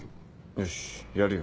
よしやるよ。